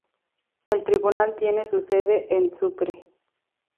El Tribunal tiene su sede en Sucre.